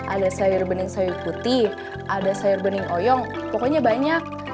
ada sayur bening sayur putih ada sayur bening oyong pokoknya banyak